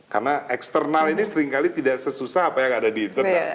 karena external ini seringkali tidak sesusah apa yang ada di internal